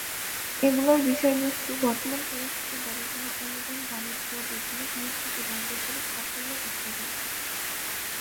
এগুলোর বিষয়বস্তু বর্তমান পরিস্থিতি, গবেষণা অনুদান, বাণিজ্য, বৈজ্ঞানিক নীতি এবং বৈজ্ঞানিক সাফল্য ইত্যাদি।